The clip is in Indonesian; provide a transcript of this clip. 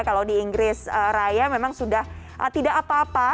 kalau di inggris raya memang sudah tidak apa apa